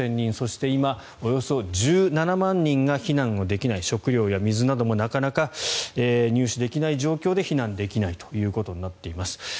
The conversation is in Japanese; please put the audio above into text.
そして、今およそ１７万人が避難できない食料や水などもなかなか入手できない状況で避難できないということになっています。